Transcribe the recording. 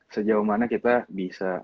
sejauh mana kita bisa